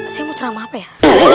saya mau ceramah apa ya